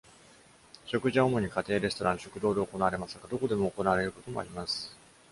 食事は主に家庭、レストラン、食堂で行われますが、どこでも行われることもあります。